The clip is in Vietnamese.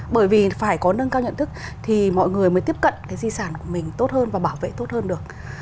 bởi vì phải có nâng cao nhận thức thì mọi người mới tiếp cận cái di sản của mình tốt hơn và bảo vệ tốt hơn được